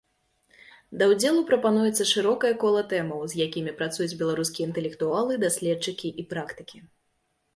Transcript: Да ўдзелу прапануецца шырокае кола тэмаў, з якімі працуюць беларускія інтэлектуалы, даследчыкі і практыкі.